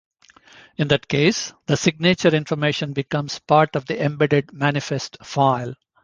In that case, the signature information becomes part of the embedded manifest file.